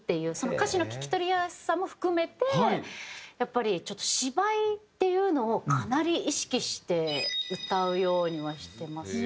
歌詞の聴き取りやすさも含めてやっぱりちょっと芝居っていうのをかなり意識して歌うようにはしてますね。